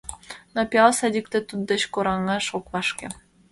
Но пиал садикте туддеч кораҥаш ок вашке.